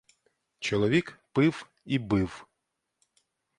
Чоловік пив і бив.